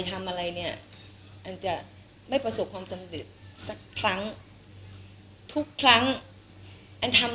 ทำอะไรเนี่ยอันจะไม่ประสบความสำเร็จสักครั้งทุกครั้งอันทำ